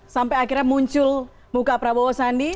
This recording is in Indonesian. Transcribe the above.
sampai akhirnya muncul muka prabowo sandi